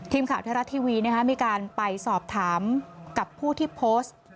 ทีมข่าวไทยรัฐทีวีมีการไปสอบถามกับผู้ที่โพสต์